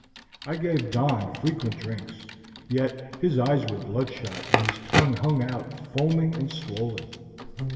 I gave Don frequent drinks, yet his eyes were blood shot and his tongue hung out foaming and swollen.